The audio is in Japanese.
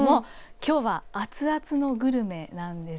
きょうは熱々のグルメなんです。